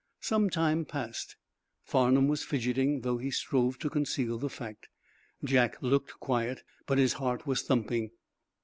Some time passed. Farnum was fidgeting, though he strove to conceal the fact. Jack looked quiet, but his heart was thumping.